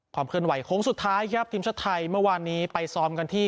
ความเคลื่อนไหวโค้งสุดท้ายครับทีมชาติไทยเมื่อวานนี้ไปซ้อมกันที่